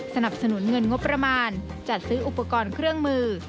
สนับสนุนเงินงบประมาณจัดซื้ออุปกรณ์เครื่องมือ